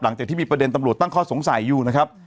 หลังจากที่มีประเด็นตำรวจตั้งข้อสงสัยอยู่นะครับ